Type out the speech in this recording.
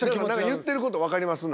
言ってること分かります？